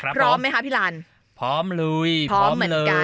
พร้อมไหมคะพี่ลันพร้อมลุยพร้อมเหมือนกัน